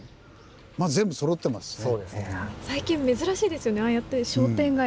まあ全部そろってますしね。